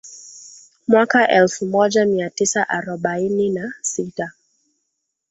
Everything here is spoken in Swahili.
mwaka elfu moja mia tisa arobaini na sita